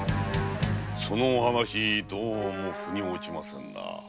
その話どうも腑に落ちませんな。